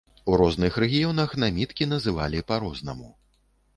У розных рэгіёнах наміткі называлі па-рознаму.